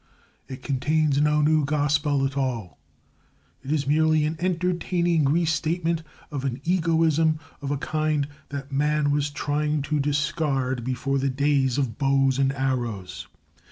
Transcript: It contains no new gospel at all. It is merely an entertaining restatement of an egoism of a kind that man was trying to discard before the days of bows and arrows.